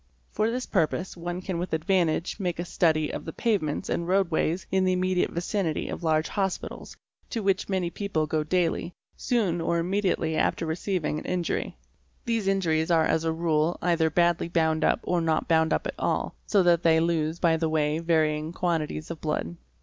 For this purpose one can with advantage make a study of the | pavements and road ways in the immediate vicinity of large hospitals, to which many people go daily, soon or immediately after receiving an injury ; these injuries are as a rule either badly bound up or not bound up at all, so that they lose hy the way varying quantities of blood.